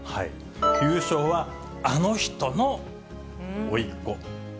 優勝はあの人のおいっ子。